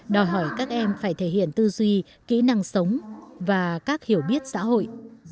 đòi hỏi các em phải thể hiện tư duy kỹ năng sống và các hiểu biết xã hội